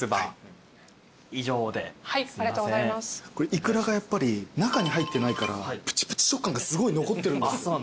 いくらがやっぱり中に入ってないからプチプチ食感がすごい残ってるんです。